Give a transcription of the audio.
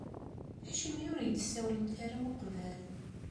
Acimi ur iyi-d-tessawlemt ara uqbel?